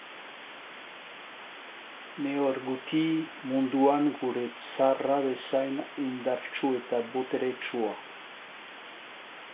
Nehor guti munduan gure tsarra bezain indartsu eta boteretsua.